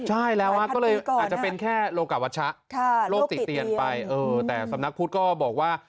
ใช่แล้วก็เลยอาจจะเป็นแค่โลกะวัชชะโลกติเตียนไปแต่สำนักพุทธก็บอกว่า